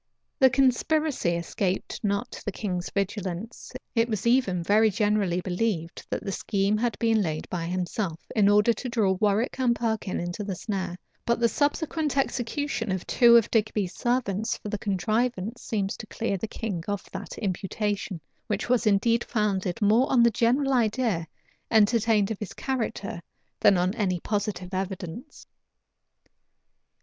The conspiracy escaped not the king's vigilance: it was even very generally believed, that the scheme had been laid by himself, in order to draw Warwick and Perkin into the snare; but the subsequent execution of two of Digby's servants for the contrivance seems to clear the king of that imputation, which was indeed founded more on the general idea entertained of his character than on any positive evidence.